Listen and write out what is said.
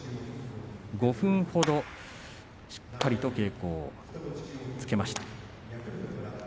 ５分ほどしっかりと稽古をつけました。